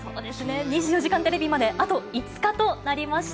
２４時間テレビまであと５日となりました。